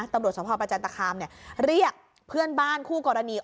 ตำรวจสภประจันตคามเรียกเพื่อนบ้านคู่กรณี